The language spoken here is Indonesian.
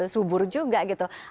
subur juga gitu